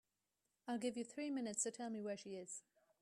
I'll give you three minutes to tell me where she is.